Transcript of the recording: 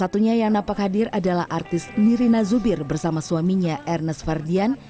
satunya yang nampak hadir adalah artis nirina zubir bersama suaminya ernest fardian